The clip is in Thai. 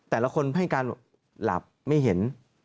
แต่ละคนให้การหลับไม่เห็น